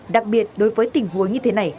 đặc biệt đối với tình huống như thế này